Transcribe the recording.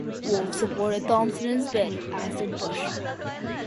Wolf supported Thompson in his bid, as did Bush.